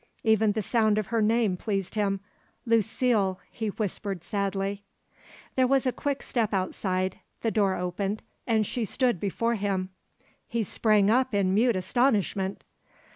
Even the sound of her name pleased him; "Lucile," he whispered sadly. There was a quick step outside; the door opened, and she stood before him. He sprang up in mute astonishment.